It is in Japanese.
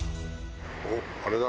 おっ、あれだ。